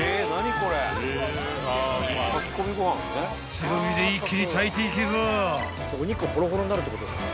［強火で一気に炊いていけば］